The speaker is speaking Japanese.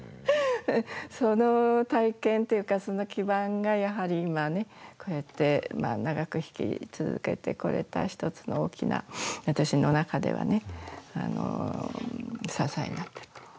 その体験っていうか、その基盤がやはり今ね、こうやって長く弾き続けてこれた、一つの大きな私の中ではね、支えになっている。